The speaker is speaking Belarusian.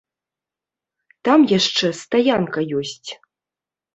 Там яшчэ стаянка ёсць.